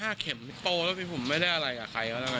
เท่าเข็มโปรแล้วผมไม่ได้อะไรกับใคร